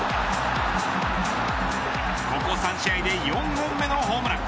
ここ３試合で４本目のホームラン。